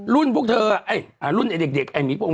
รุ่นพวกเธอรุ่นเด็กมีพวก